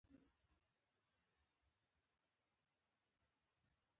آیا ښځه برمته کول له افغان فرهنګ سره اړخ لګوي.